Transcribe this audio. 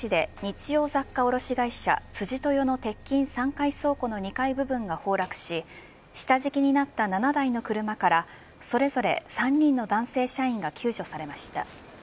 午後１時１５分ごろ下関市で日用雑貨卸会社辻豊の鉄筋３階倉庫の２階部分が崩落し下敷きになった７台の車からそれぞれ３人の男性社員が救助されました。